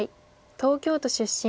東京都出身。